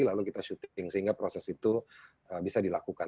lalu kita syuting sehingga proses itu bisa dilakukan